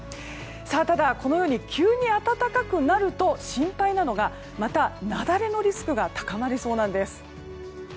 ただ、このように急に暖かくなると心配なのが、また雪崩のリスクが高まりそうなんです。